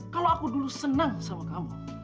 kalau aku dulu senang sama kamu